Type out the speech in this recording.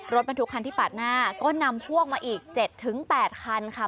รถบรรทุกคันที่ปาดหน้าก็นำพวกมาอีก๗๘คันค่ะ